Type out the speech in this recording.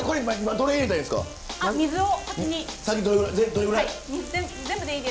どれぐらい？